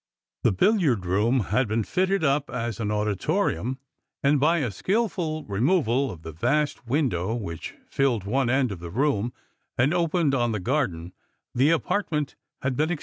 The billiard room had been fitted up as an auditorium, and by a skilful removal of the vast window which filled one end of th« room, and opened on the garden, the apartment had been ex Strangers and Pilgrims.